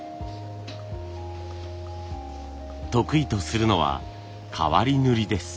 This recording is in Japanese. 得意とするのは変わり塗です。